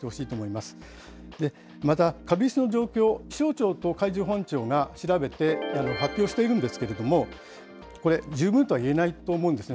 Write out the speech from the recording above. また軽石の状況、気象庁と海上保安庁が調べて発表しているんですけれども、これ、十分とはいえないと思うんですね。